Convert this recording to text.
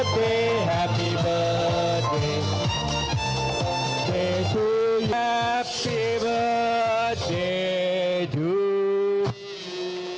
โปรดติดตามตอนต่อไป